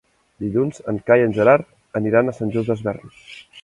Dilluns en Cai i en Gerard aniran a Sant Just Desvern.